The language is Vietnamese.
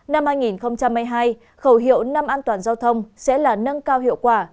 năm hai nghìn hai mươi hai khẩu hiệu năm an toàn giao thông sẽ là nâng cao hiệu quả